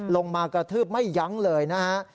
มากระทืบไม่ยั้งเลยนะฮะ